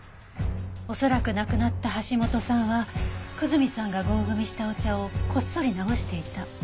恐らく亡くなった橋本さんは久住さんが合組したお茶をこっそり直していた。